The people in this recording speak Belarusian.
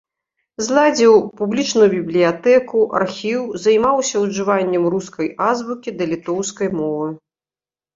Зладзіў публічную бібліятэку, архіў, займаўся ужываннем рускай азбукі да літоўскай мовы.